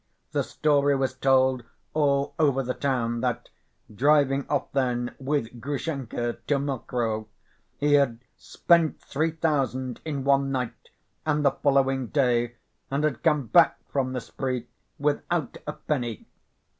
The story was told all over the town that, driving off then with Grushenka to Mokroe, he had "spent three thousand in one night and the following day, and had come back from the spree without a penny."